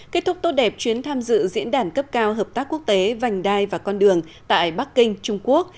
kết thúc tốt đẹp chuyến tham dự diễn đàn cấp cao hợp tác quốc tế vành đai và con đường tại bắc kinh trung quốc